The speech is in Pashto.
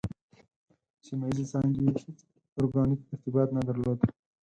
سیمه ییزې څانګې یې هېڅ ارګانیک ارتباط نه درلود.